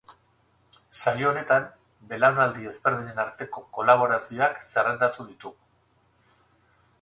Saio honetan, belaunaldi ezberdinen arteko kolaborazioak zerrendatu ditugu.